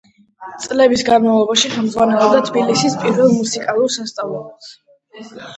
წლების განმავლობაში ხელმძღვანელობდა თბილისის პირველ მუსიკალურ სასწავლებელს.